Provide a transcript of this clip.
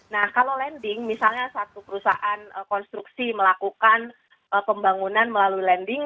nah kalau landing misalnya satu perusahaan konstruksi melakukan pembangunan melalui landing